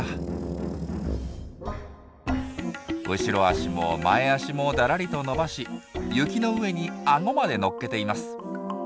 後ろ足も前足もだらりと伸ばし雪の上にアゴまで乗っけています。